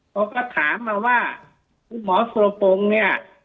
เขาก็ถามมาว่าคุณหมอสุรพงศ์เนี่ย